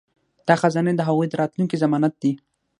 دا خزانې د هغوی د راتلونکي ضمانت دي.